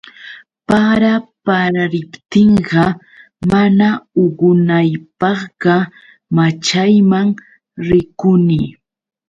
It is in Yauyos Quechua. Para paraptinqa, mana uqunaypaqqa, maćhayman rikuni.